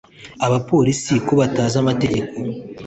abapolisi ko batazi amategeko.